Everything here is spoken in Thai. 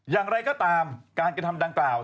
อย่างไรก็ตามการกระทำดังกล่าว